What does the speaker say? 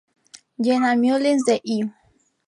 Jenna Mullins de E!